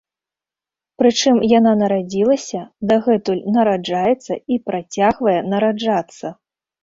Прычым, яна нарадзілася, дагэтуль нараджаецца і працягвае нараджацца!